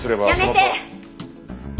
やめて！